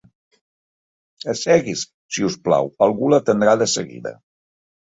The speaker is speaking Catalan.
Assegui's, si us plau. Algú l'atendrà de seguida.